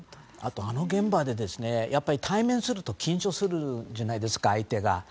あとあの現場で対面すると緊張するじゃないですか相手が。